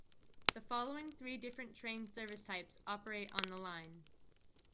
The following three different train service types operate on the line.